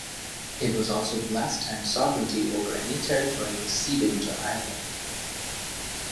It was also the last time sovereignty over any territory was ceded to Ireland.